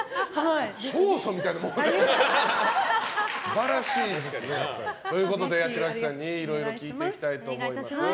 勝訴みたいな。ということで八代亜紀さんにいろいろ聞いていきたいと思います。